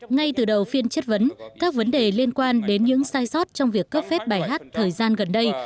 ngay từ đầu phiên chất vấn các vấn đề liên quan đến những sai sót trong việc cấp phép bài hát thời gian gần đây